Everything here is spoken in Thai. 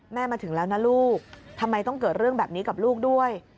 มาถึงแล้วนะลูกทำไมต้องเกิดเรื่องแบบนี้กับลูกด้วย